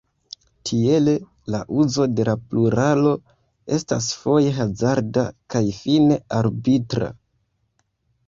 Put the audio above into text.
Tiele la "uzo de la pluralo estas foje hazarda kaj fine arbitra".